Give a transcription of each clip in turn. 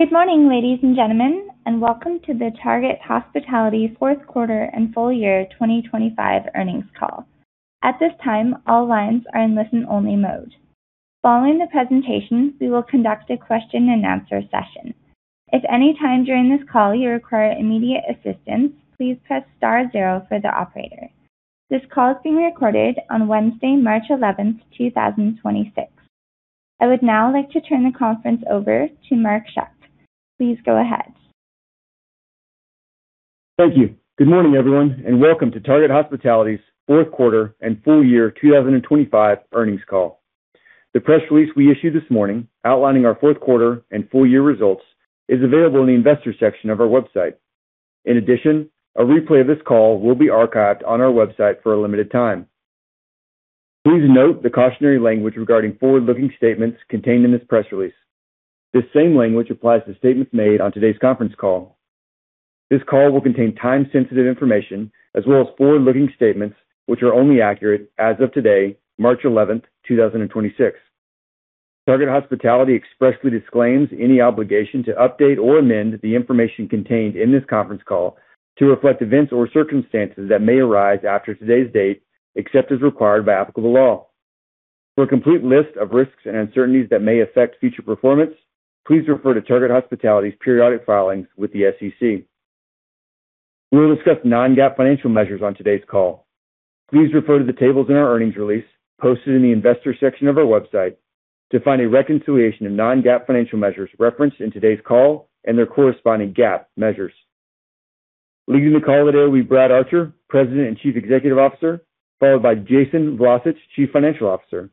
Good morning, ladies and gentlemen, and welcome to the Target Hospitality fourth quarter and full year 2025 earnings call. At this time, all lines are in listen-only mode. Following the presentation, we will conduct a question-and-answer session. If any time during this call you require immediate assistance, please press star zero for the operator. This call is being recorded on Wednesday, March 11th, 2026. I would now like to turn the conference over to Mark Schuck. Please go ahead. Thank you. Good morning, everyone, and welcome to Target Hospitality's fourth quarter and full year 2025 earnings call. The press release we issued this morning outlining our fourth quarter and full year results is available in the investors section of our website. In addition, a replay of this call will be archived on our website for a limited time. Please note the cautionary language regarding forward-looking statements contained in this press release. This same language applies to statements made on today's conference call. This call will contain time-sensitive information as well as forward-looking statements, which are only accurate as of today, March 11th, 2026. Target Hospitality expressly disclaims any obligation to update or amend the information contained in this conference call to reflect events or circumstances that may arise after today's date, except as required by applicable law. For a complete list of risks and uncertainties that may affect future performance, please refer to Target Hospitality's periodic filings with the SEC. We will discuss non-GAAP financial measures on today's call. Please refer to the tables in our earnings release posted in the Investors section of our website to find a reconciliation of non-GAAP financial measures referenced in today's call and their corresponding GAAP measures. Leading the call today will be Brad Archer, President and Chief Executive Officer, followed by Jason Vlacich, Chief Financial Officer.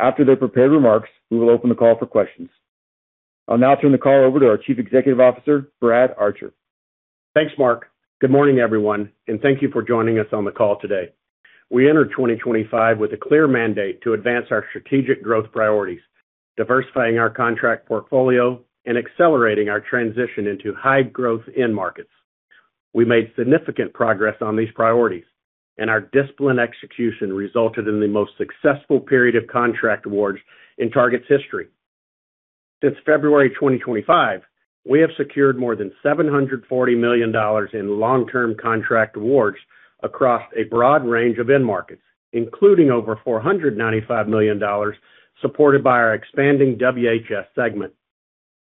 After their prepared remarks, we will open the call for questions. I'll now turn the call over to our Chief Executive Officer, Brad Archer. Thanks, Mark. Good morning, everyone, and thank you for joining us on the call today. We entered 2025 with a clear mandate to advance our strategic growth priorities, diversifying our contract portfolio, and accelerating our transition into high-growth end markets. We made significant progress on these priorities, and our disciplined execution resulted in the most successful period of contract awards in Target's history. Since February 2025, we have secured more than $740 million in long-term contract awards across a broad range of end markets, including over $495 million supported by our expanding WHS segment.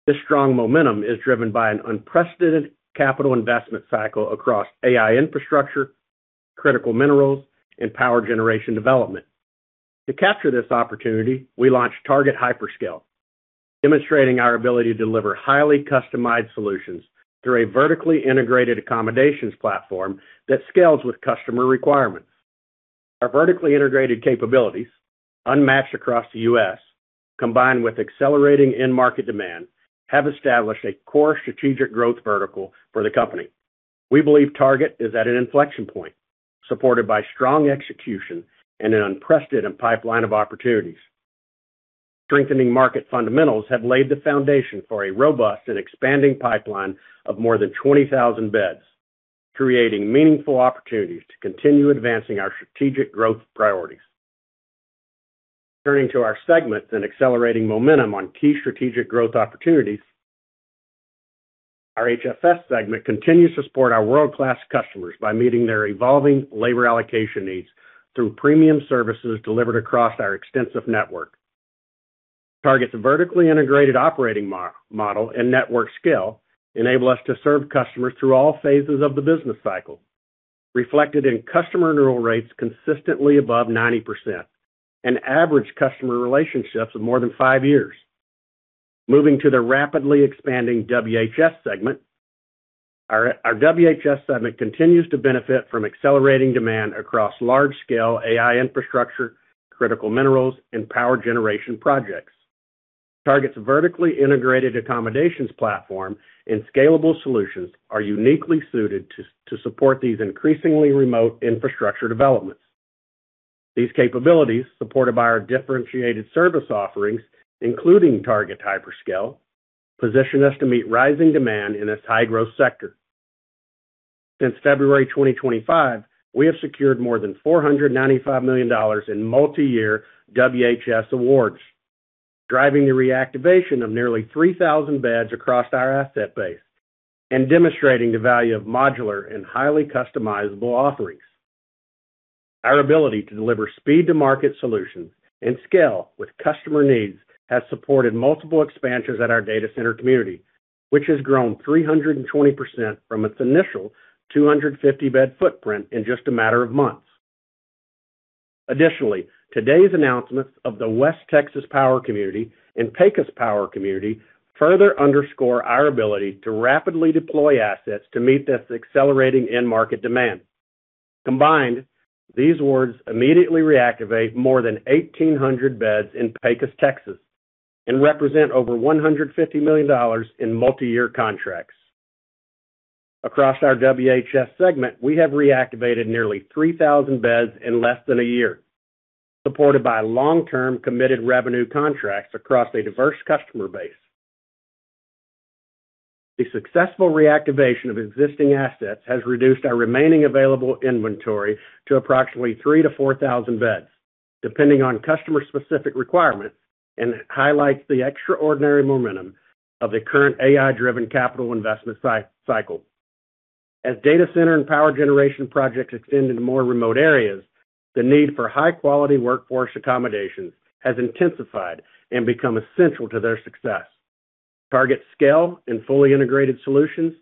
This strong momentum is driven by an unprecedented capital investment cycle across AI infrastructure, critical minerals, and power generation development. To capture this opportunity, we launched Target Hyper/Scale, demonstrating our ability to deliver highly customized solutions through a vertically integrated accommodations platform that scales with customer requirements. Our vertically integrated capabilities, unmatched across the U.S., combined with accelerating end market demand, have established a core strategic growth vertical for the company. We believe Target is at an inflection point, supported by strong execution and an unprecedented pipeline of opportunities. Strengthening market fundamentals have laid the foundation for a robust and expanding pipeline of more than 20,000 beds, creating meaningful opportunities to continue advancing our strategic growth priorities. Turning to our segments and accelerating momentum on key strategic growth opportunities, our HFS segment continues to support our world-class customers by meeting their evolving labor allocation needs through premium services delivered across our extensive network. Target's vertically integrated operating model and network scale enable us to serve customers through all phases of the business cycle, reflected in customer renewal rates consistently above 90% and average customer relationships of more than five years. Moving to the rapidly expanding WHS segment. Our WHS segment continues to benefit from accelerating demand across large-scale AI infrastructure, critical minerals, and power generation projects. Target's vertically integrated accommodations platform and scalable solutions are uniquely suited to support these increasingly remote infrastructure developments. These capabilities, supported by our differentiated service offerings, including Target Hyper/Scale, position us to meet rising demand in this high-growth sector. Since February 2025, we have secured more than $495 million in multiyear WHS awards, driving the reactivation of nearly 3,000 beds across our asset base and demonstrating the value of modular and highly customizable offerings. Our ability to deliver speed-to-market solutions and scale with customer needs has supported multiple expansions at our data center community, which has grown 320% from its initial 250-bed footprint in just a matter of months. Additionally, today's announcements of the West Texas Power Community and Pecos Power Community further underscore our ability to rapidly deploy assets to meet this accelerating end market demand. Combined, these awards immediately reactivate more than 1,800 beds in Pecos, Texas, and represent over $150 million in multiyear contracts. Across our WHS segment, we have reactivated nearly 3,000 beds in less than a year, supported by long-term committed revenue contracts across a diverse customer base. The successful reactivation of existing assets has reduced our remaining available inventory to approximately 3,000-4,000 beds, depending on customer-specific requirements, and highlights the extraordinary momentum of the current AI-driven capital investment cycle. As data center and power generation projects extend into more remote areas, the need for high-quality workforce accommodations has intensified and become essential to their success. Target Hyper/Scale and fully integrated solutions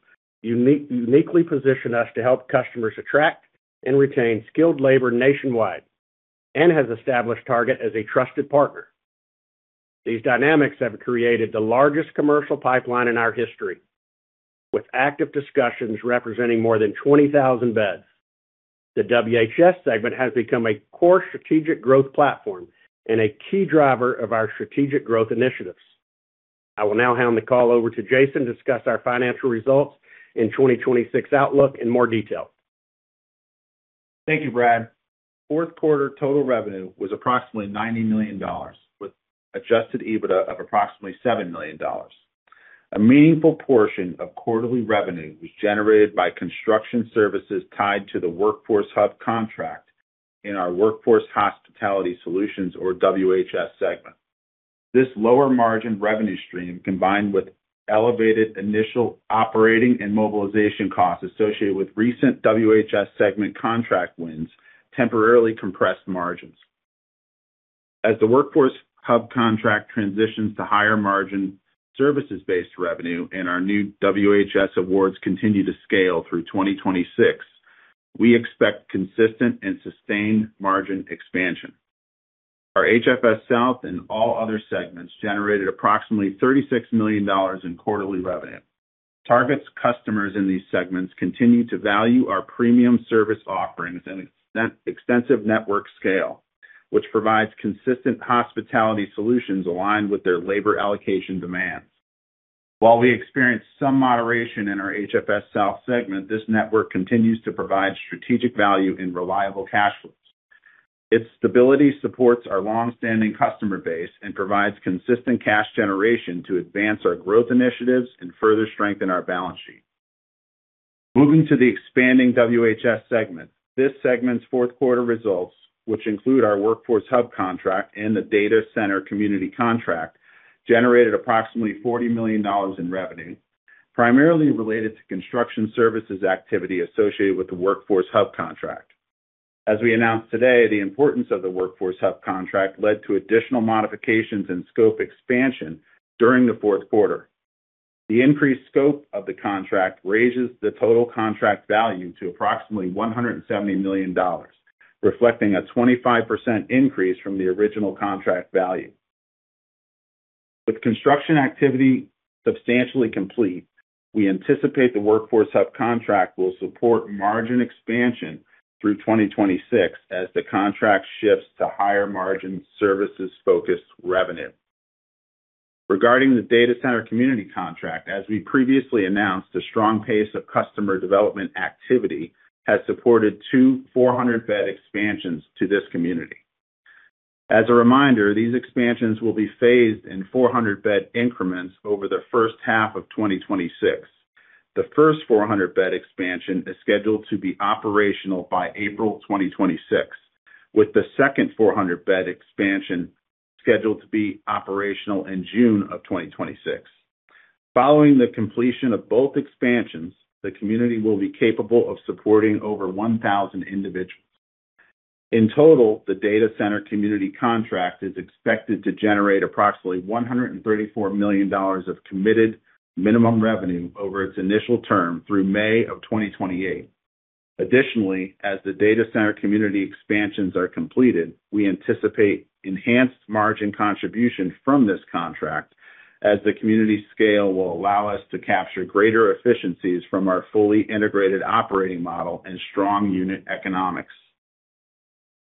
uniquely position us to help customers attract and retain skilled labor nationwide and has established Target as a trusted partner. These dynamics have created the largest commercial pipeline in our history, with active discussions representing more than 20,000 beds. The WHS segment has become a core strategic growth platform and a key driver of our strategic growth initiatives. I will now hand the call over to Jason to discuss our financial results and 2026 outlook in more detail. Thank you, Brad. Fourth quarter total revenue was approximately $90 million, with Adjusted EBITDA of approximately $7 million. A meaningful portion of quarterly revenue was generated by construction services tied to the Workforce Hub contract in our Workforce Hospitality Solutions, or WHS, segment. This lower-margin revenue stream, combined with elevated initial operating and mobilization costs associated with recent WHS segment contract wins, temporarily compressed margins. As the Workforce Hub contract transitions to higher-margin services-based revenue and our new WHS awards continue to scale through 2026, we expect consistent and sustained margin expansion. Our HFS-South and All Other segments generated approximately $36 million in quarterly revenue. Target's customers in these segments continue to value our premium service offerings and extensive network scale, which provides consistent hospitality solutions aligned with their labor allocation demands. While we experienced some moderation in our HFS – South segment, this network continues to provide strategic value and reliable cash flows. Its stability supports our long-standing customer base and provides consistent cash generation to advance our growth initiatives and further strengthen our balance sheet. Moving to the expanding WHS segment. This segment's fourth quarter results, which include our Workforce Hub contract and the Data Center Community contract, generated approximately $40 million in revenue, primarily related to construction services activity associated with the Workforce Hub contract. As we announced today, the importance of the Workforce Hub contract led to additional modifications and scope expansion during the fourth quarter. The increased scope of the contract raises the total contract value to approximately $170 million, reflecting a 25% increase from the original contract value. With construction activity substantially complete, we anticipate the Workforce Hub contract will support margin expansion through 2026 as the contract shifts to higher-margin services-focused revenue. Regarding the Data Center Community contract, as we previously announced, a strong pace of customer development activity has supported two 400-bed expansions to this community. As a reminder, these expansions will be phased in 400-bed increments over the first half of 2026. The first 400-bed expansion is scheduled to be operational by April 2026, with the second 400-bed expansion scheduled to be operational in June of 2026. Following the completion of both expansions, the community will be capable of supporting over 1,000 individuals. In total, the Data Center Community contract is expected to generate approximately $134 million of committed minimum revenue over its initial term through May of 2028. Additionally, as the Data Center Community expansions are completed, we anticipate enhanced margin contribution from this contract as the community scale will allow us to capture greater efficiencies from our fully integrated operating model and strong unit economics.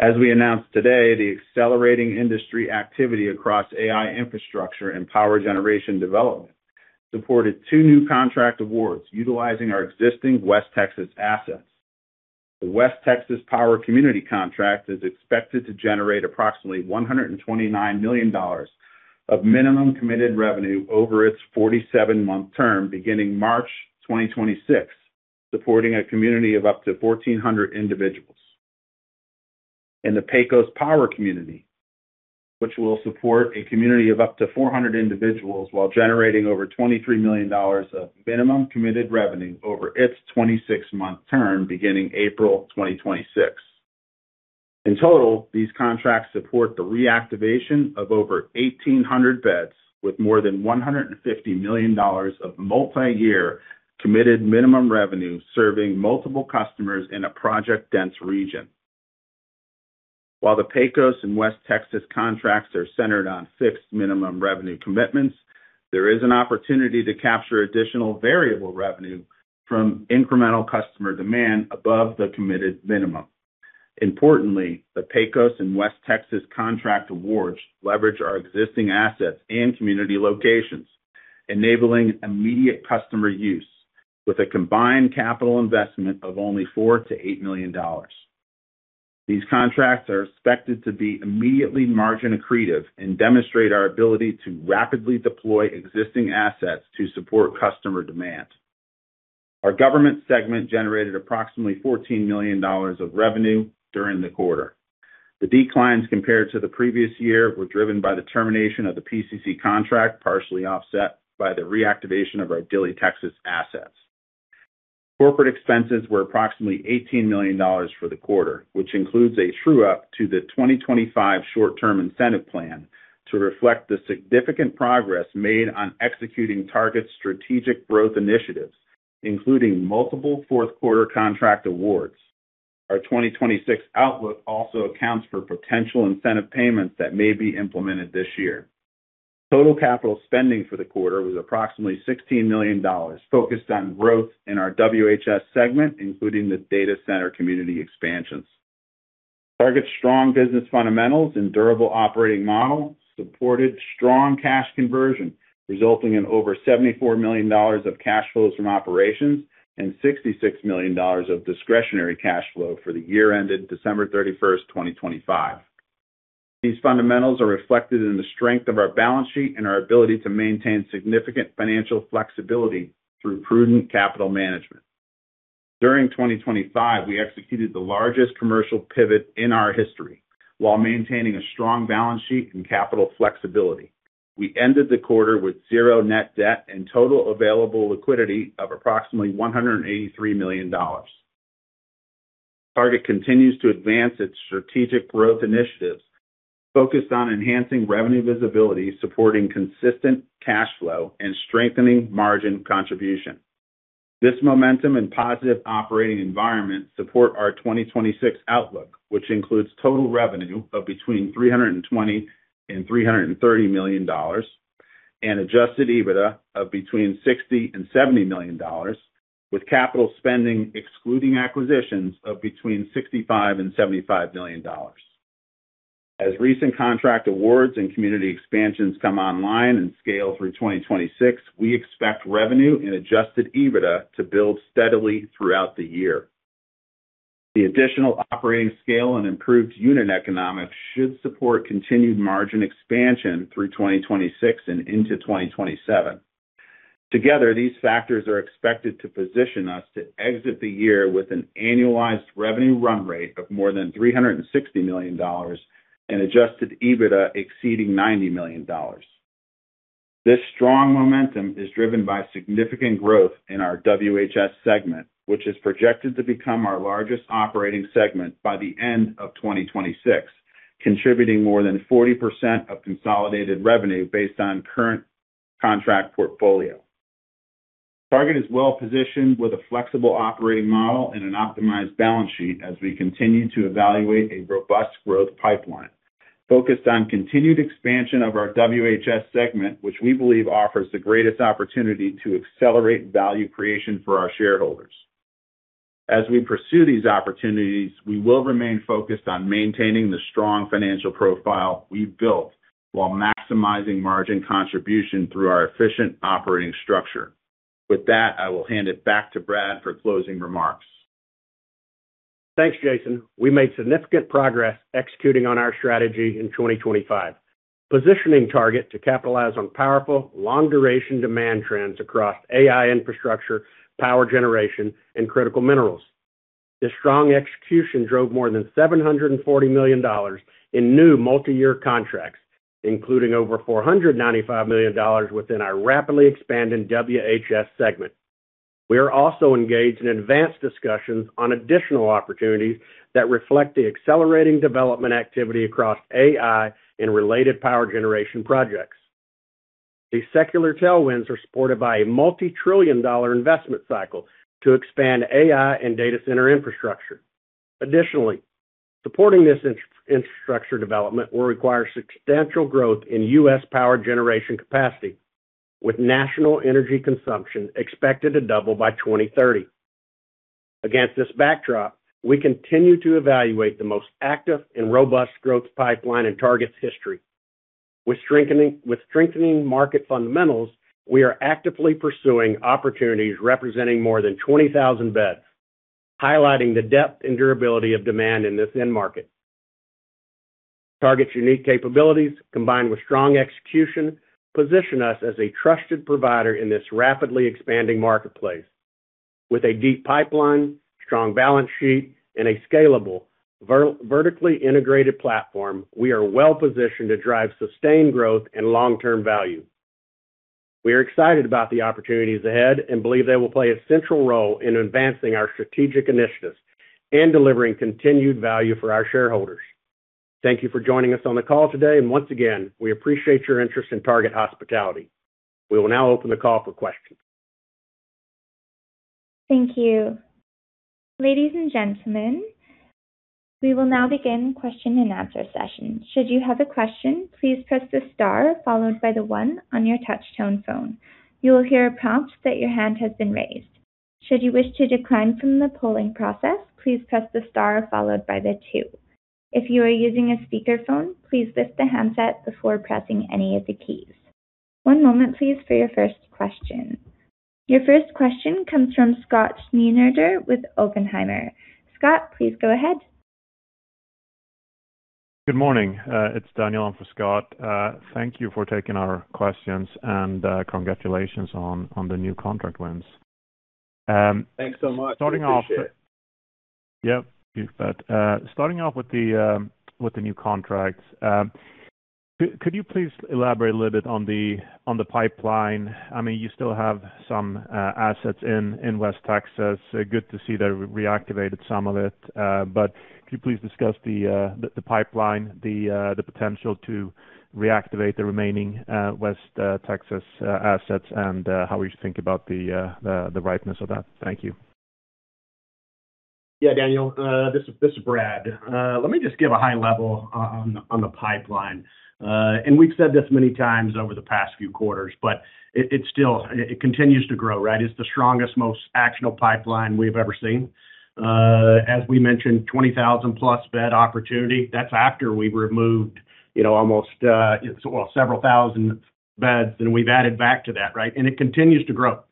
As we announced today, the accelerating industry activity across AI infrastructure and power generation development supported two new contract awards utilizing our existing West Texas assets. The West Texas Power Community contract is expected to generate approximately $129 million of minimum committed revenue over its 47-month term beginning March 2026, supporting a community of up to 1,400 individuals. In the Pecos Power Community, which will support a community of up to 400 individuals while generating over $23 million of minimum committed revenue over its 26-month term beginning April 2026. In total, these contracts support the reactivation of over 1,800 beds with more than $150 million of multiyear committed minimum revenue serving multiple customers in a project-dense region. While the Pecos and West Texas contracts are centered on fixed minimum revenue commitments, there is an opportunity to capture additional variable revenue from incremental customer demand above the committed minimum. Importantly, the Pecos and West Texas contract awards leverage our existing assets and community locations, enabling immediate customer use with a combined capital investment of only $4 million-$8 million. These contracts are expected to be immediately margin accretive and demonstrate our ability to rapidly deploy existing assets to support customer demand. Our Government segment generated approximately $14 million of revenue during the quarter. The declines compared to the previous year were driven by the termination of the PCC contract, partially offset by the reactivation of our Dilley, Texas assets. Corporate expenses were approximately $18 million for the quarter, which includes a true-up to the 2025 short-term incentive plan to reflect the significant progress made on executing Target's strategic growth initiatives, including multiple fourth-quarter contract awards. Our 2026 outlook also accounts for potential incentive payments that may be implemented this year. Total capital spending for the quarter was approximately $16 million, focused on growth in our WHS segment, including the data center community expansions. Target's strong business fundamentals and durable operating model supported strong cash conversion, resulting in over $74 million of cash flows from operations and $66 million of discretionary cash flow for the year ended December 31st, 2025. These fundamentals are reflected in the strength of our balance sheet and our ability to maintain significant financial flexibility through prudent capital management. During 2025, we executed the largest commercial pivot in our history while maintaining a strong balance sheet and capital flexibility. We ended the quarter with zero net debt and total available liquidity of approximately $183 million. Target continues to advance its strategic growth initiatives focused on enhancing revenue visibility, supporting consistent cash flow, and strengthening margin contribution. This momentum and positive operating environment support our 2026 outlook, which includes total revenue of between $320 million and $330 million and Adjusted EBITDA of between $60 million and $70 million, with capital spending excluding acquisitions of between $65 million and $75 million. As recent contract awards and community expansions come online and scale through 2026, we expect revenue and Adjusted EBITDA to build steadily throughout the year. The additional operating scale and improved unit economics should support continued margin expansion through 2026 and into 2027. Together, these factors are expected to position us to exit the year with an annualized revenue run rate of more than $360 million and Adjusted EBITDA exceeding $90 million. This strong momentum is driven by significant growth in our WHS segment, which is projected to become our largest operating segment by the end of 2026, contributing more than 40% of consolidated revenue based on current contract portfolio. Target is well-positioned with a flexible operating model and an optimized balance sheet as we continue to evaluate a robust growth pipeline focused on continued expansion of our WHS segment, which we believe offers the greatest opportunity to accelerate value creation for our shareholders. As we pursue these opportunities, we will remain focused on maintaining the strong financial profile we've built while maximizing margin contribution through our efficient operating structure. With that, I will hand it back to Brad for closing remarks. Thanks, Jason. We made significant progress executing on our strategy in 2025, positioning Target to capitalize on powerful, long-duration demand trends across AI infrastructure, power generation, and critical minerals. This strong execution drove more than $740 million in new multi-year contracts, including over $495 million within our rapidly expanding WHS segment. We are also engaged in advanced discussions on additional opportunities that reflect the accelerating development activity across AI and related power generation projects. These secular tailwinds are supported by a multi-trillion-dollar investment cycle to expand AI and data center infrastructure. Additionally, supporting this infrastructure development will require substantial growth in U.S. power generation capacity, with national energy consumption expected to double by 2030. Against this backdrop, we continue to evaluate the most active and robust growth pipeline in Target's history. With strengthening market fundamentals, we are actively pursuing opportunities representing more than 20,000 beds, highlighting the depth and durability of demand in this end market. Target Hospitality's unique capabilities, combined with strong execution, position us as a trusted provider in this rapidly expanding marketplace. With a deep pipeline, strong balance sheet, and a scalable vertically integrated platform, we are well-positioned to drive sustained growth and long-term value. We are excited about the opportunities ahead and believe they will play a central role in advancing our strategic initiatives and delivering continued value for our shareholders. Thank you for joining us on the call today. Once again, we appreciate your interest in Target Hospitality. We will now open the call for questions. Thank you. Ladies and gentlemen, we will now begin question and answer session. Should you have a question, please press the star followed by the one on your touch tone phone. You will hear a prompt that your hand has been raised. Should you wish to decline from the polling process, please press the star followed by the two. If you are using a speakerphone, please lift the handset before pressing any of the keys. One moment please for your first question. Your first question comes from Scott Schneeberger with Oppenheimer. Scott, please go ahead. Good morning, it's Daniel in for Scott. Thank you for taking our questions, and congratulations on the new contract wins. Thanks so much. We appreciate it. Starting off with the new contracts. Could you please elaborate a little bit on the pipeline? I mean, you still have some assets in West Texas. Good to see they reactivated some of it. Could you please discuss the pipeline, the potential to reactivate the remaining West Texas assets and how we should think about the ripeness of that? Thank you. Yeah. Daniel, this is Brad. Let me just give a high level on the pipeline. We've said this many times over the past few quarters, but it's still. It continues to grow, right? It's the strongest, most actionable pipeline we've ever seen. As we mentioned, 20,000+ bed opportunity. That's after we've removed, you know, almost, well, several thousand beds, and we've added back to that, right? It continues to grow.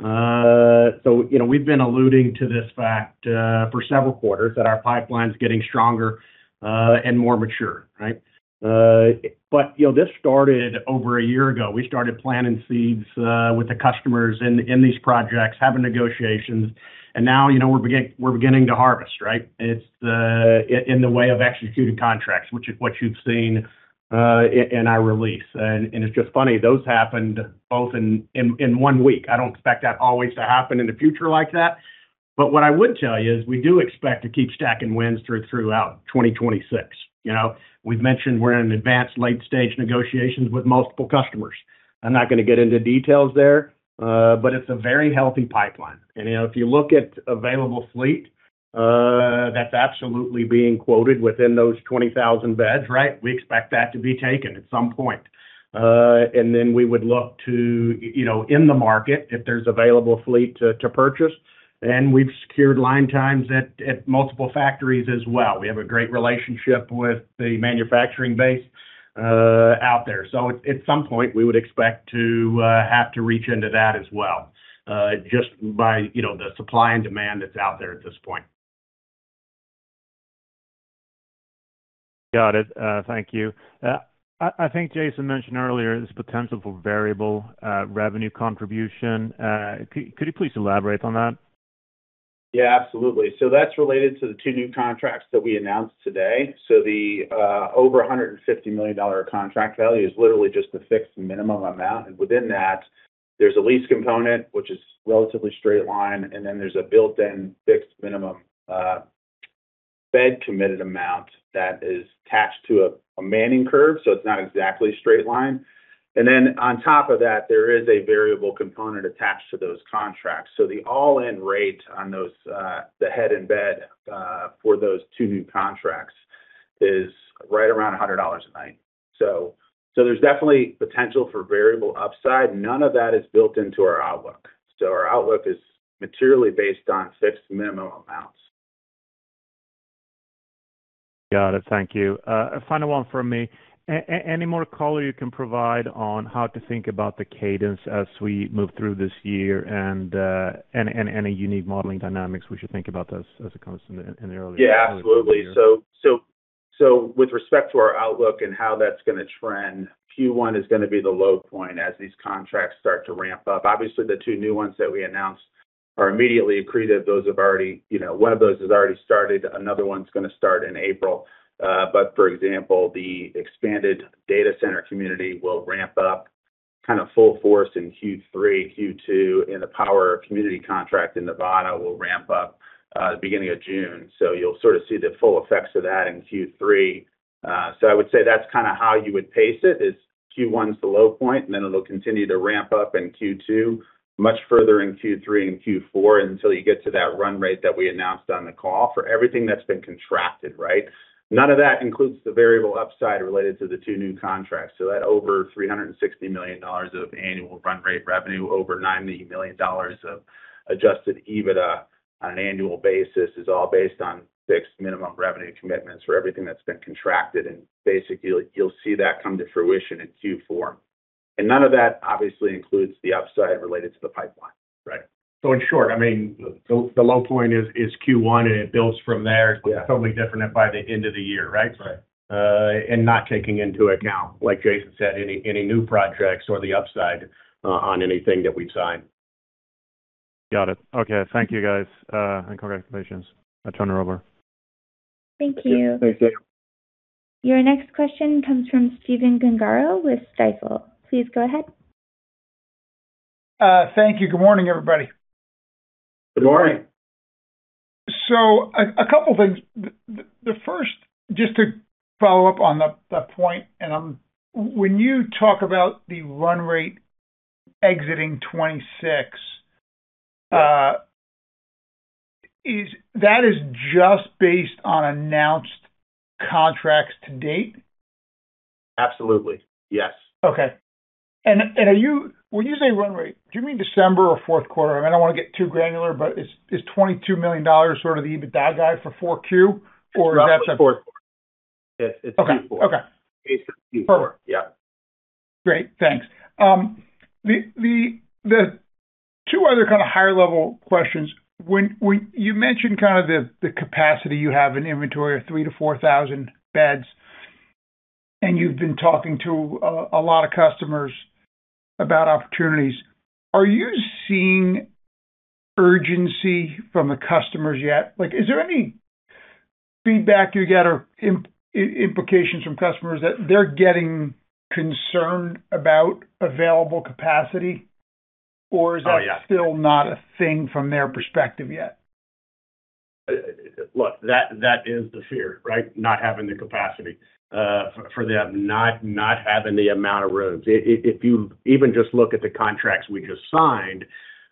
You know, we've been alluding to this fact for several quarters that our pipeline is getting stronger and more mature, right? You know, this started over a year ago. We started planting seeds with the customers in these projects, having negotiations, and now, you know, we're beginning to harvest, right? It's in the way of executing contracts, which is what you've seen in our release. It's just funny, those happened both in one week. I don't expect that always to happen in the future like that. What I would tell you is we do expect to keep stacking wins throughout 2026. You know, we've mentioned we're in advanced late-stage negotiations with multiple customers. I'm not gonna get into details there, but it's a very healthy pipeline. You know, if you look at available fleet, that's absolutely being quoted within those 20,000 beds, right? We expect that to be taken at some point. Then we would look to, you know, in the market if there's available fleet to purchase, and we've secured line times at multiple factories as well. We have a great relationship with the manufacturing base, out there. At some point, we would expect to have to reach into that as well, just by, you know, the supply and demand that's out there at this point. Got it. Thank you. I think Jason mentioned earlier this potential for variable revenue contribution. Could you please elaborate on that? Yeah, absolutely. That's related to the two new contracts that we announced today. The over $150 million contract value is literally just a fixed minimum amount. And within that, there's a lease component, which is relatively straight line, and then there's a built-in fixed minimum bed committed amount that is attached to a manning curve, so it's not exactly straight line. And then on top of that, there is a variable component attached to those contracts. The all-in rate on those, the head in bed for those two new contracts is right around $100 a night. There's definitely potential for variable upside. None of that is built into our outlook. Our outlook is materially based on fixed minimum amounts. Got it. Thank you. A final one from me. Any more color you can provide on how to think about the cadence as we move through this year and any unique modeling dynamics we should think about as it comes in the earlier part of the year? Yeah, absolutely. With respect to our outlook and how that's gonna trend, Q1 is gonna be the low point as these contracts start to ramp up. Obviously, the two new ones that we announced are immediately accretive. Those have already, you know, one of those has already started. Another one's gonna start in April. For example, the expanded Data Center Community will ramp up kind of full force in Q3, Q2, and the power community contract in Nevada will ramp up beginning of June. You'll sort of see the full effects of that in Q3. I would say that's kinda how you would pace it is Q1 is the low point, and then it'll continue to ramp up in Q2, much further in Q3 and Q4, until you get to that run rate that we announced on the call for everything that's been contracted, right? None of that includes the variable upside related to the two new contracts. That over $360 million of annual run rate revenue, over $90 million of Adjusted EBITDA on an annual basis is all based on fixed minimum revenue commitments for everything that's been contracted. Basically, you'll see that come to fruition in Q4. None of that obviously includes the upside related to the pipeline. In short, I mean, the low point is Q1, and it builds from there. It's totally different by the end of the year, right? Right. Not taking into account, like Jason said, any new projects or the upside on anything that we've signed. Got it. Okay. Thank you, guys. Congratulations. I turn it over. Thank you. Thanks, Daniel. Your next question comes from Stephen Gengaro with Stifel. Please go ahead. Thank you. Good morning, everybody. Good morning. A couple things. The first, just to follow up on the point. When you talk about the run rate exiting 2026, That is just based on announced contracts to date? Absolutely. Yes. Okay. Are you, when you say run rate, do you mean December or fourth quarter? I mean, I don't wanna get too granular, but is $22 million sort of the EBITDA guide for 4Q, or that's a- No, it's fourth. Yes, it's Q4. Okay. Perfect. Great. Thanks. The two other kind of higher level questions. When you mentioned kind of the capacity you have in inventory of 3,000-4,000 beds, and you've been talking to a lot of customers about opportunities. Are you seeing urgency from the customers yet? Like, is there any feedback you get or implications from customers that they're getting concerned about available capacity? Is that still not a thing from their perspective yet? Look, that is the fear, right? Not having the capacity for them, not having the amount of rooms. If you even just look at the contracts we just signed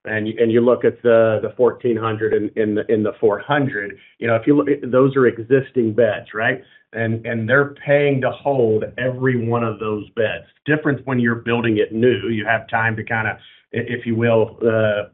and you look at the 1,400 in the 400, you know. Those are existing beds, right? They're paying to hold every one of those beds. Difference when you're building it new, you have time to kind of, if you will,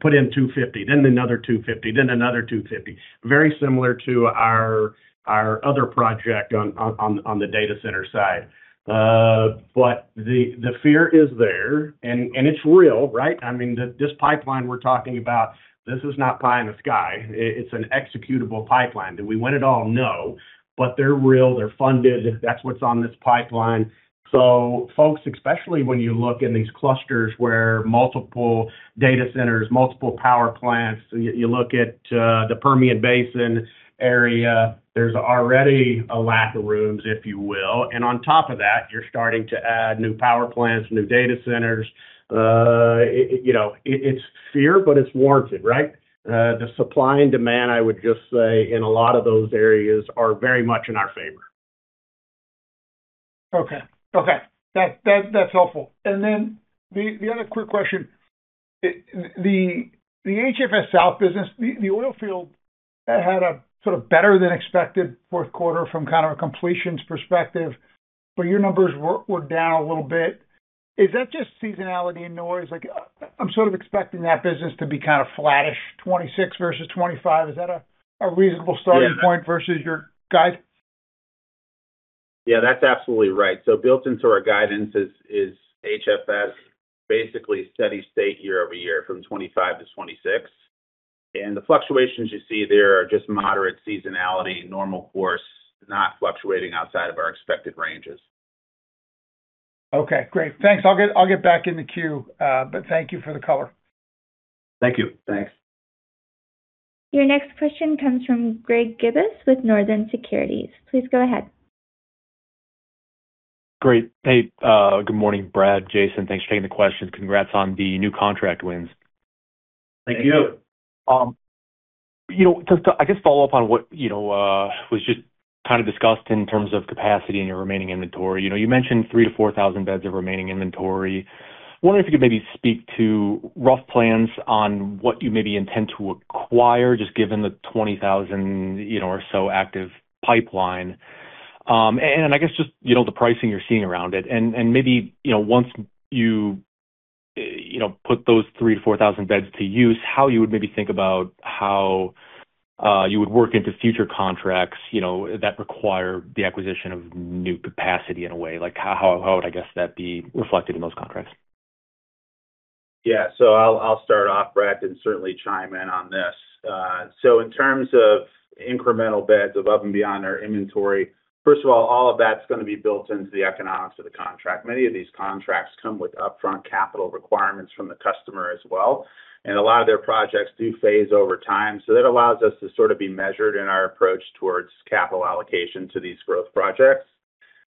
put in 250, then another 250, then another 250. Very similar to our other project on the data center side. The fear is there and it's real, right? I mean, this pipeline we're talking about, this is not pie in the sky. It's an executable pipeline. Do we win it all? No. They're real, they're funded. That's what's on this pipeline. Folks, especially when you look in these clusters where multiple data centers, multiple power plants, you look at, the Permian Basin area, there's already a lack of rooms, if you will. On top of that, you're starting to add new power plants, new data centers. You know, it's fear, but it's warranted, right? The supply and demand, I would just say, in a lot of those areas are very much in our favor. Okay. That's helpful. The other quick question. The HFS – South business, the oil field had a sort of better than expected fourth quarter from kind of a completions perspective, but your numbers were down a little bit. Is that just seasonality and noise? Like, I'm sort of expecting that business to be kind of flattish, 2026 versus 2025. Is that a reasonable starting point versus your guide? Yeah, that's absolutely right. Built into our guidance is HFS basically steady state year-over-year from 2025-2026. The fluctuations you see there are just moderate seasonality, normal course, not fluctuating outside of our expected ranges. Okay, great. Thanks. I'll get back in the queue, but thank you for the color. Thank you. Your next question comes from Greg Gibas with Northland Securities. Please go ahead. Great. Hey, good morning, Brad, Jason. Thanks for taking the questions. Congrats on the new contract wins. Thank you. You know, to I guess follow up on what you know was just kind of discussed in terms of capacity in your remaining inventory. You know, you mentioned 3,000-4,000 beds of remaining inventory. I wonder if you could maybe speak to rough plans on what you maybe intend to acquire, just given the 20,000 you know or so active pipeline. I guess just you know the pricing you're seeing around it and maybe you know once you, you know put those 3,000-4,000 beds to use, how you would maybe think about how you would work into future contracts you know that require the acquisition of new capacity in a way. Like how would I guess that be reflected in those contracts? Yeah. I'll start off, Brad, and certainly chime in on this. In terms of incremental beds above and beyond our inventory, first of all of that's gonna be built into the economics of the contract. Many of these contracts come with upfront capital requirements from the customer as well, and a lot of their projects do phase over time. That allows us to sort of be measured in our approach towards capital allocation to these growth projects.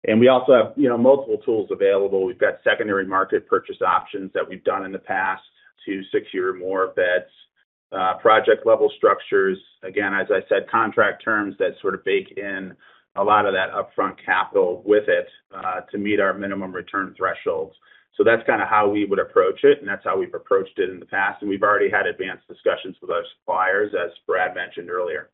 We also have, you know, multiple tools available. We've got secondary market purchase options that we've done in the past to secure more beds. Project-level structures. Again, as I said, contract terms that sort of bake in a lot of that upfront capital with it, to meet our minimum return thresholds. That's kinda how we would approach it, and that's how we've approached it in the past. We've already had advanced discussions with our suppliers, as Brad mentioned earlier.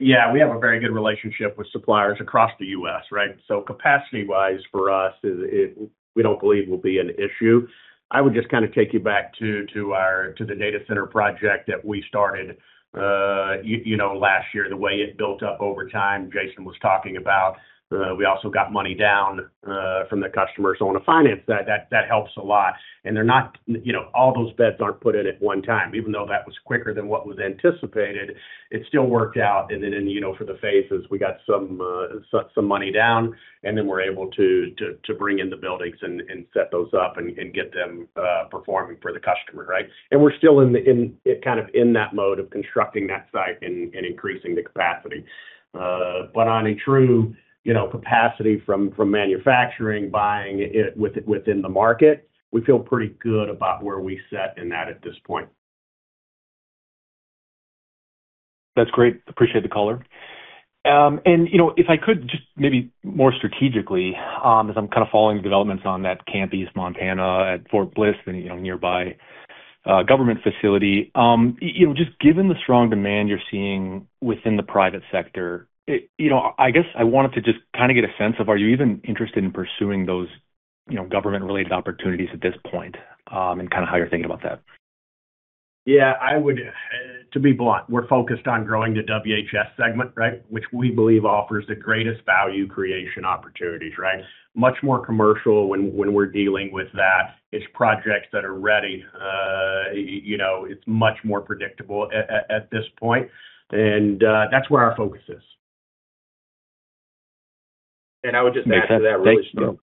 Yeah, we have a very good relationship with suppliers across the U.S., right? Capacity-wise for us, we don't believe it will be an issue. I would just kind of take you back to our data center project that we started, you know, last year, the way it built up over time, Jason was talking about. We also got money down from the customer. On a finance side, that helps a lot. They're not, you know, all those beds aren't put in at one time. Even though that was quicker than what was anticipated, it still worked out. Then, you know, for the phases, we got some money down, and then we're able to bring in the buildings and set those up and get them performing for the customer, right? We're still in kind of that mode of constructing that site and increasing the capacity. But on a true, you know, capacity from manufacturing, buying it within the market, we feel pretty good about where we sit in that at this point. That's great. Appreciate the color. You know, if I could just maybe more strategically, as I'm kind of following the developments on that Camp East Montana at Fort Bliss and, you know, nearby, government facility. You know, just given the strong demand you're seeing within the private sector, you know, I guess I wanted to just kind of get a sense of, are you even interested in pursuing those, you know, government-related opportunities at this point, and kind of how you're thinking about that? Yeah, I would to be blunt, we're focused on growing the WHS segment, right? Which we believe offers the greatest value creation opportunities, right? Much more commercial when we're dealing with that. It's projects that are ready. You know, it's much more predictable at this point. That's where our focus is. I would just add to that really strong.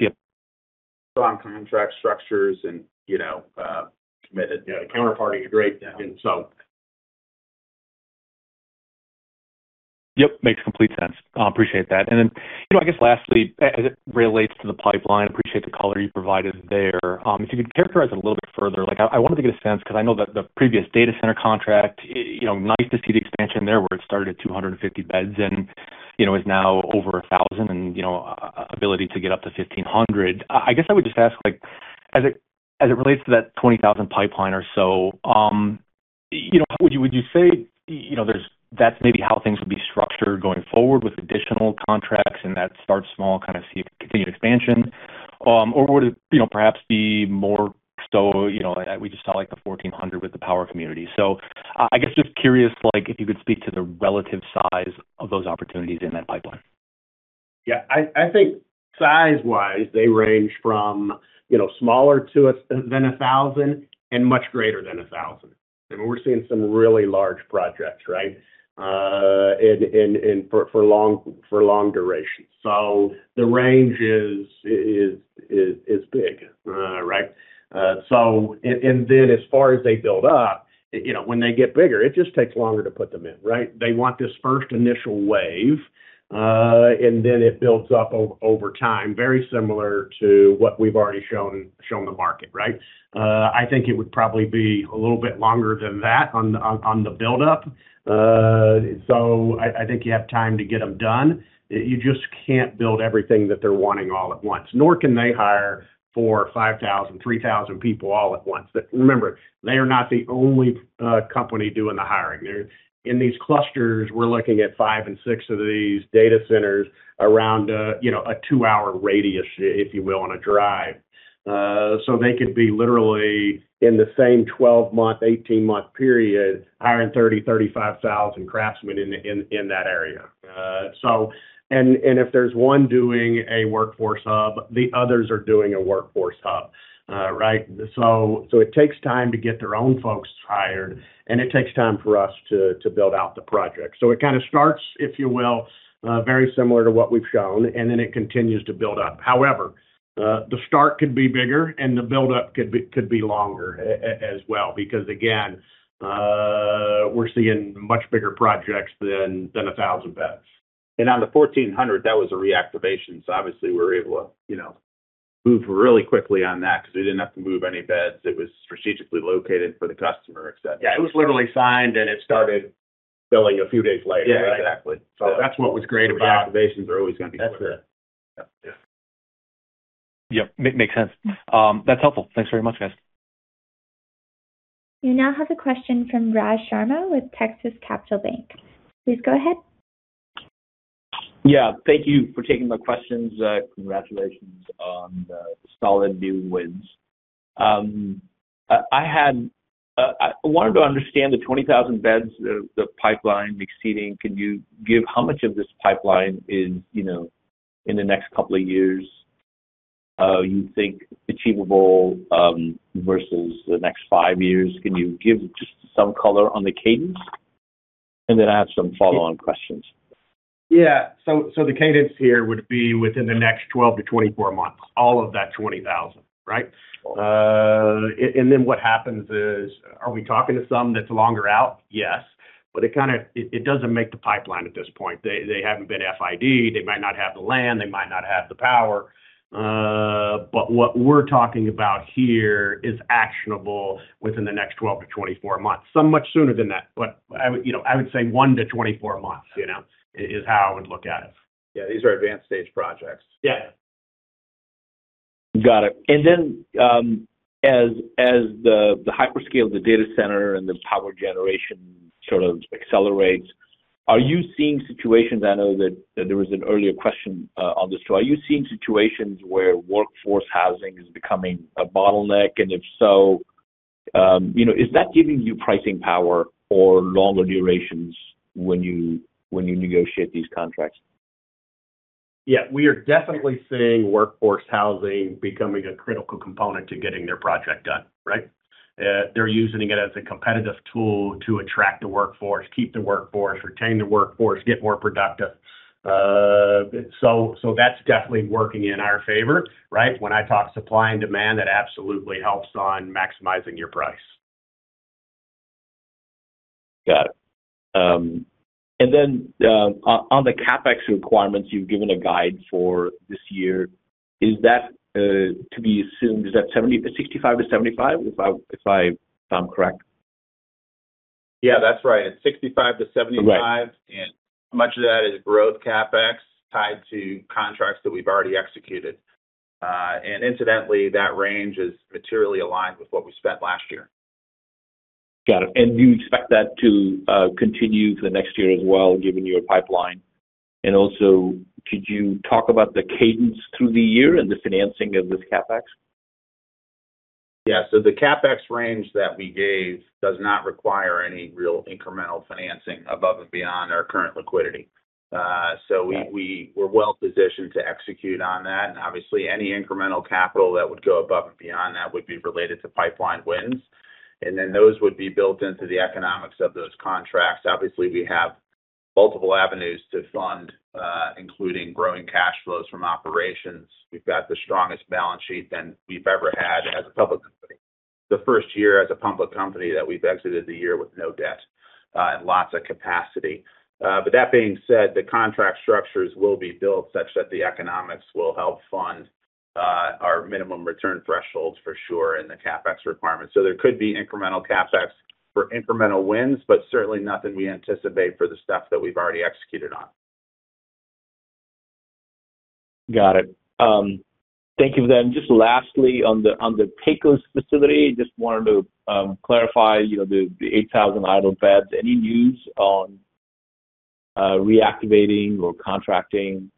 Strong contract structures and, you know, committed, you know, counterparty agreement. Yep, makes complete sense. Appreciate that. You know, I guess lastly, as it relates to the pipeline, appreciate the color you provided there. If you could characterize it a little bit further. Like I wanted to get a sense, 'cause I know that the previous data center contract, you know, nice to see the expansion there, where it started at 250 beds and, you know, is now over 1,000 and, you know, ability to get up to 1,500. I guess I would just ask, like, as it relates to that 20,000 pipeline or so, you know, would you say, you know, that's maybe how things would be structured going forward with additional contracts and that start small, kind of see continued expansion? Would it, you know, perhaps be more so, you know, we just saw like the 1,400 with the power community. I guess just curious, like if you could speak to the relative size of those opportunities in that pipeline. Yeah. I think size-wise they range from, you know, smaller than 1,000 and much greater than 1,000. I mean, we're seeing some really large projects for long durations, right? The range is big, right? And then as far as they build up, you know, when they get bigger, it just takes longer to put them in, right? They want this first initial wave, and then it builds up over time. Very similar to what we've already shown the market, right? I think it would probably be a little bit longer than that on the buildup. I think you have time to get them done. You just can't build everything that they're wanting all at once, nor can they hire 4,000, 5,000, 3,000 people all at once. Remember, they are not the only company doing the hiring. They're in these clusters, we're looking at five and six of these data centers around, you know, a two-hour radius, if you will, on a drive. They could be literally in the same 12-month, 18-month period hiring 30,000, 35,000 craftsmen in that area. And if there's one doing a Workforce Hub, the others are doing a Workforce Hub, right? It takes time to get their own folks hired, and it takes time for us to build out the project. It kind of starts, if you will, very similar to what we've shown, and then it continues to build up. However, the start could be bigger and the buildup could be longer as well because again, we're seeing much bigger projects than 1,000 beds. On the 1,400, that was a reactivation, so obviously we were able to, you know, move really quickly on that because we didn't have to move any beds. It was strategically located for the customer, et cetera. Yeah. It was literally signed, and it started billing a few days later, right? That's what was great about it. Reactivations are always gonna be quicker. Yep, makes sense. That's helpful. Thanks very much, guys. You now have a question from Raj Sharma with Texas Capital Bank. Please go ahead. Yeah. Thank you for taking my questions. Congratulations on the solid new wins. I wanted to understand the 20,000 beds, the pipeline exceeding. Can you give how much of this pipeline is, you know, in the next couple of years you think achievable, versus the next five years? Can you give just some color on the cadence? Then I have some follow-on questions. So the cadence here would be within the next 12-24 months, all of that 20,000, right? Then what happens is, are we talking to some that's longer out? Yes. It kinda, it doesn't make the pipeline at this point. They haven't been FID, they might not have the land, they might not have the power. What we're talking about here is actionable within the next 12-24 months. Some much sooner than that. I would, you know, say 1-24 months, you know, is how I would look at it. Yeah. These are advanced stage projects. Got it. Then, as the Hyper/Scale, the data center, and the power generation sort of accelerates, are you seeing situations? I know that there was an earlier question on this. Are you seeing situations where workforce housing is becoming a bottleneck? If so, you know, is that giving you pricing power or longer durations when you negotiate these contracts? Yeah. We are definitely seeing workforce housing becoming a critical component to getting their project done, right? They're using it as a competitive tool to attract the workforce, keep the workforce, retain the workforce, get more productive. So that's definitely working in our favor, right? When I talk supply and demand, that absolutely helps on maximizing your price. Got it. On the CapEx requirements, you've given a guide for this year. Is that to be assumed, is that $65-$75, if I sound correct? Yeah, that's right. It's $65-$75. Much of that is growth CapEx tied to contracts that we've already executed. Incidentally, that range is materially aligned with what we spent last year. Got it. Do you expect that to continue for the next year as well, given your pipeline? Also, could you talk about the cadence through the year and the financing of this CapEx? Yeah. The CapEx range that we gave does not require any real incremental financing above and beyond our current liquidity. We're well-positioned to execute on that, and obviously, any incremental capital that would go above and beyond that would be related to pipeline wins. Those would be built into the economics of those contracts. Obviously, we have multiple avenues to fund, including growing cash flows from operations. We've got the strongest balance sheet than we've ever had as a public company. The first year as a public company that we've exited the year with no debt, and lots of capacity. That being said, the contract structures will be built such that the economics will help fund our minimum return thresholds for sure, and the CapEx requirements. There could be incremental CapEx for incremental wins, but certainly nothing we anticipate for the stuff that we've already executed on. Got it. Thank you then. Just lastly, on the Pecos facility, just wanted to clarify, you know, the 8,000 idle beds. Any news on reactivating or contracting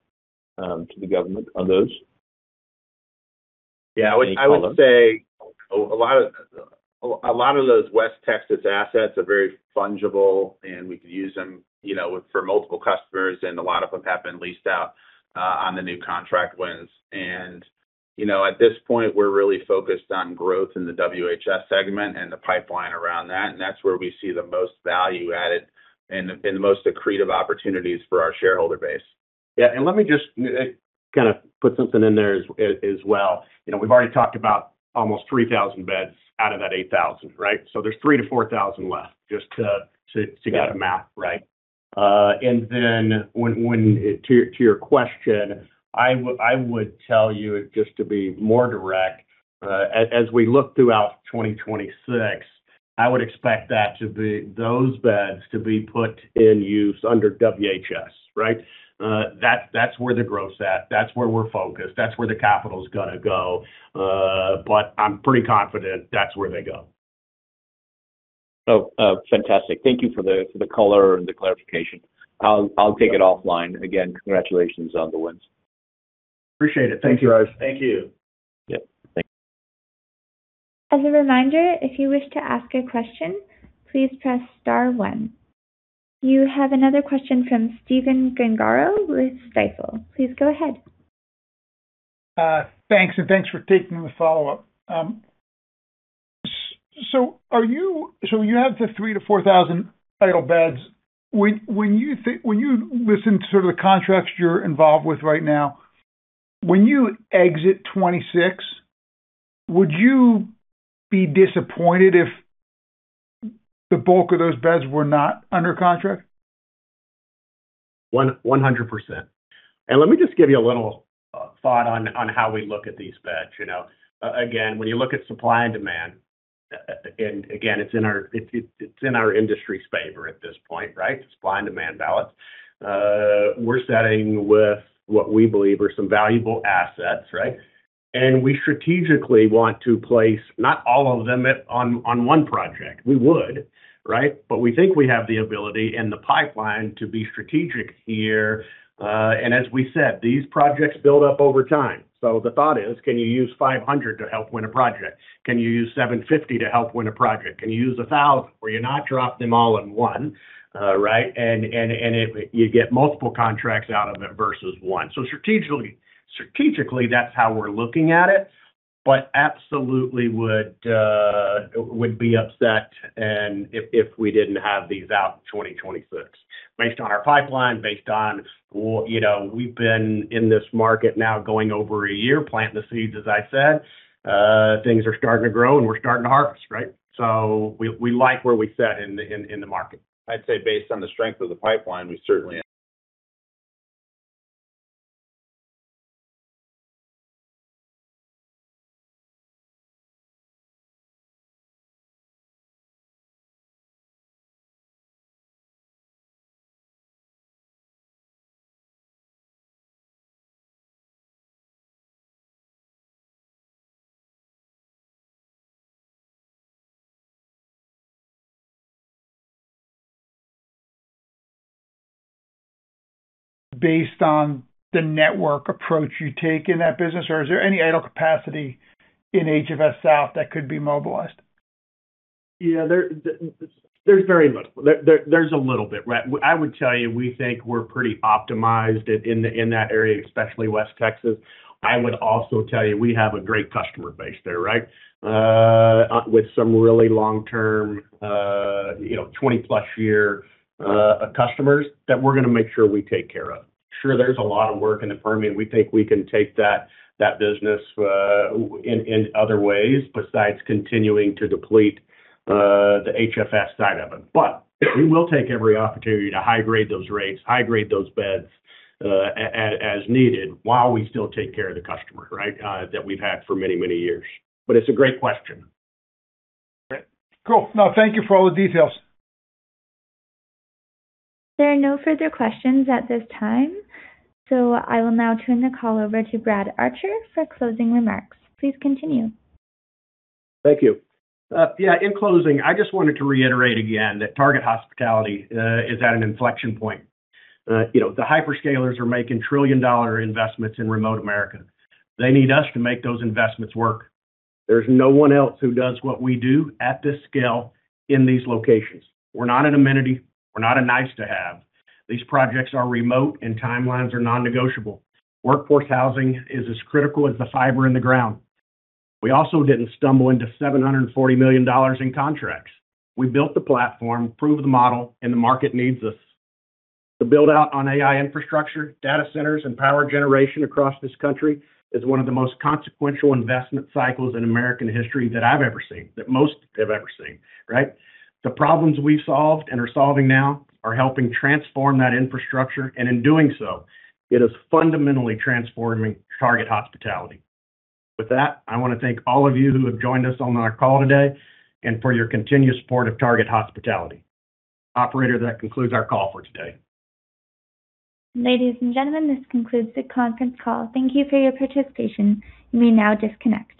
to the government on those? Yeah. I would say a lot of those West Texas assets are very fungible, and we could use them, you know, for multiple customers, and a lot of them have been leased out on the new contract wins. You know, at this point, we're really focused on growth in the WHS segment and the pipeline around that, and that's where we see the most value added and the most accretive opportunities for our shareholder base. Let me just kind of put something in there as well. You know, we've already talked about almost 3,000 beds out of that 8,000, right? There's 3,000-4,000 left, just to get the math right. To your question, I would tell you just to be more direct, as we look throughout 2026, I would expect those beds to be put in use under WHS, right? That's where the growth's at. That's where we're focused. That's where the capital's gonna go. But I'm pretty confident that's where they go. Fantastic. Thank you for the color and the clarification. I'll take it offline. Again, congratulations on the wins. Appreciate it. Thank you. Thank you, guys. Thank you. Yep. Thank you. As a reminder, if you wish to ask a question, please press star one. You have another question from Stephen Gengaro with Stifel. Please go ahead. Thanks, and thanks for taking the follow-up. You have the 3,000-4,000 idle beds. When you listen to sort of the contracts you're involved with right now, when you exit 2026, would you be disappointed if the bulk of those beds were not under contract? 100%. Let me just give you a little thought on how we look at these beds, you know. When you look at supply and demand, and again, it's in our industry's favor at this point, right? Supply and demand balance. We're starting with what we believe are some valuable assets, right? We strategically want to place not all of them on one project. We would, right? We think we have the ability and the pipeline to be strategic here. As we said, these projects build up over time. The thought is, can you use 500 to help win a project? Can you use 750 to help win a project? Can you use 1,000 where you don't drop them all in one, right, and you get multiple contracts out of it versus one. Strategically, that's how we're looking at it, but absolutely would be upset if we didn't have these out in 2026. Based on our pipeline. You know, we've been in this market now going on over a year, planting the seeds, as I said. Things are starting to grow, and we're starting to harvest, right? We like where we sit in the market. I'd say based on the strength of the pipeline, we certainly. Based on the network approach you take in that business, or is there any idle capacity in HFS - South that could be mobilized? Yeah. There's very little. There's a little bit, right? I would tell you we think we're pretty optimized in that area, especially West Texas. I would also tell you we have a great customer base there, right? With some really long-term, you know, 20+ year customers that we're gonna make sure we take care of. Sure, there's a lot of work in the Permian. We think we can take that business in other ways besides continuing to deplete the HFS side of it. We will take every opportunity to high-grade those rates, high-grade those beds, as needed while we still take care of the customer, right, that we've had for many, many years. It's a great question. Great. Cool. No, thank you for all the details. There are no further questions at this time, so I will now turn the call over to Brad Archer for closing remarks. Please continue. Thank you. Yeah, in closing, I just wanted to reiterate again that Target Hospitality is at an inflection point. You know, the hyperscalers are making trillion-dollar investments in remote America. They need us to make those investments work. There's no one else who does what we do at this scale in these locations. We're not an amenity. We're not a nice-to-have. These projects are remote, and timelines are non-negotiable. Workforce housing is as critical as the fiber in the ground. We also didn't stumble into $740 million in contracts. We built the platform, proved the model, and the market needs us. The build-out on AI infrastructure, data centers, and power generation across this country is one of the most consequential investment cycles in American history that I've ever seen, that most have ever seen, right? The problems we've solved and are solving now are helping transform that infrastructure, and in doing so, it is fundamentally transforming Target Hospitality. With that, I wanna thank all of you who have joined us on our call today and for your continuous support of Target Hospitality. Operator, that concludes our call for today. Ladies and gentlemen, this concludes the conference call. Thank you for your participation. You may now disconnect.